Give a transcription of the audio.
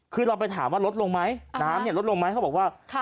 คือเราไปถามว่าลดลงไหมน้ำลดลงไหมเขาบอกว่า